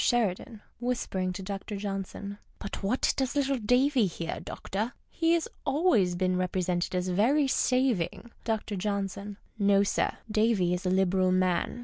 Sheridan {whispering tu Dr. J.).— \l\\t what docs little Davy here, doctor ? He has always been rcj)rcsented as very saving. Dr. J. — No, sir. Davy is a liberal man.